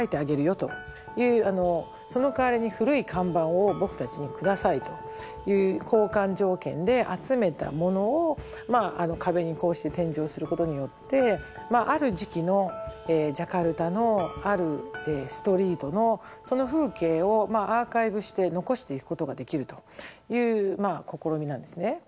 そのかわりに古い看板を僕たちに下さいという交換条件で集めたものを壁にこうして展示をすることによってまあある時期のジャカルタのあるストリートのその風景をアーカイブして残していくことができるという試みなんですね。